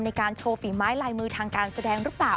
ในการโชว์ฝีไม้ลายมือทางการแสดงหรือเปล่า